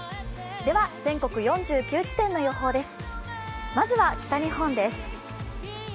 では全国４９地点の予報です。